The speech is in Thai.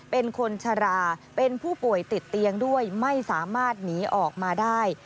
เป็นคนชราเป็นผู้ป่วยติดเตียงด้วยไม่สามารถหนีออกมาได้